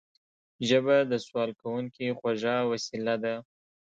ژبه د سوال کوونکي خوږه وسيله ده